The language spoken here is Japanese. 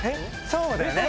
そうだよね。